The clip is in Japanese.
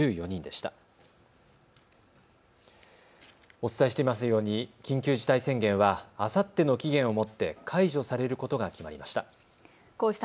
お伝えしていますように緊急事態宣言はあさっての期限をもって解除されることが決まりました。